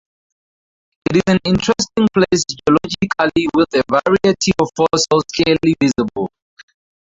It is an interesting place geologically with a variety of fossils clearly visible.